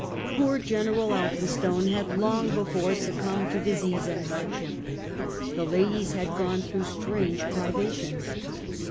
Poor General Elphinstone had long before succumbed to disease and hardship. The ladies had gone through strange privations.